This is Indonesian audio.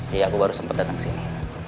iya aku baru sempet datang sini